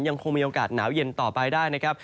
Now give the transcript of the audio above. ยังคงมีโอกาสหนาวเย็นต่อไปได้